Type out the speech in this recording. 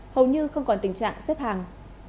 hầu như không còn tình trạng xếp hàng